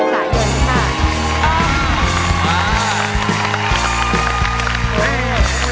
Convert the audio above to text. สักกุระเนี่ย